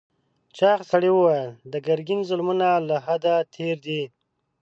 چاغ سړي وویل د ګرګین ظلمونه له حده تېر دي.